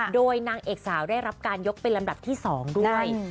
โดยนางเอกสาวได้รับการยกเป็นลำดับที่๒ด้วย